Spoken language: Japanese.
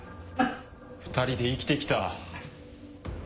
２人で生きて来た。